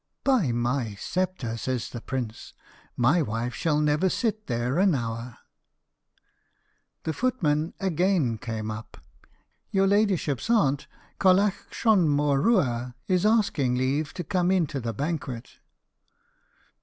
"By my sceptre," says the prince, "my wife shall never sit there an hour." The footman again came up. "Your ladyship's aunt, Colliach Shron Mor Rua, is asking leave to come into the banquet."